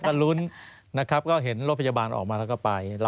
ก็ลุ้นนะครับก็เห็นรถพยาบาลออกมาแล้วก็ไป